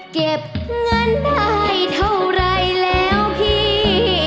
เก็บเงินได้เท่าไรแล้วพี่